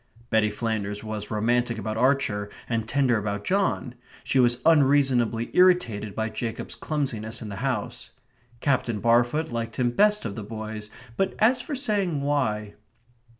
Betty Flanders was romantic about Archer and tender about John; she was unreasonably irritated by Jacob's clumsiness in the house. Captain Barfoot liked him best of the boys; but as for saying why